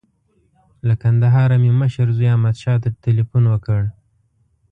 له کندهاره مې مشر زوی احمدشاه ته تیلفون وکړ.